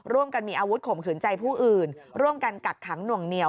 ร่วมกันมีอาวุธข่มขืนใจผู้อื่นร่วมกันกักขังหน่วงเหนียว